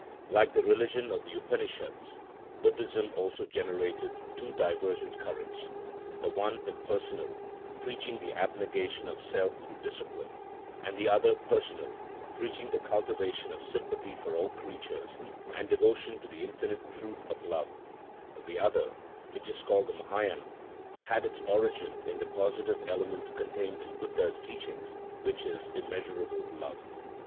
Like the religion of the Upanishads, Buddhism also generated two divergent currents; the one impersonal, preaching the abnegation of self through discipline, and the other personal, preaching the cultivation of sympathy for all creatures, and devotion to the infinite truth of love; the other, which is called the Mahâyâna, had its origin in the positive element contained in Buddha's teachings, which is immeasurable love.